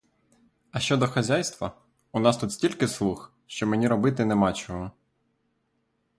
А щодо хазяйства, у нас тут стільки слуг, що мені робити нема чого.